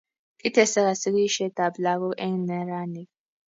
Kitesaka sigisietab lagok eng' neranik